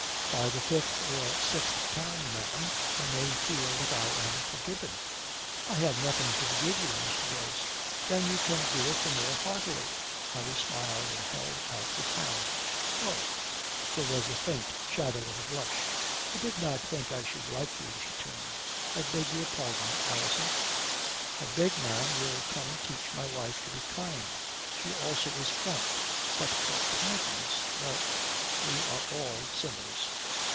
"By the fifth or sixth time, ma'am, I may feel that I am forgiven." "I have nothing to forgive you, Mr. Boyce." "Then you can do it the more heartily." Harry smiled and held out his hand. "Oh." There was a faint shadow of a blush. "I did not think I should like you." She turned. "I beg your pardon, Alison." "I beg, ma'am, you'll come teach my wife to be kind. She also is frank. But for kindness well, we are all sinners."